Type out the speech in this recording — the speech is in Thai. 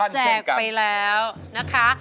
แจกไปแล้วนะคะ